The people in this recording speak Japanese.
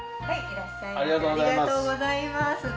はい。